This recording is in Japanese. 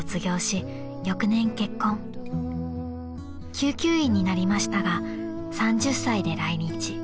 ［救急医になりましたが３０歳で来日］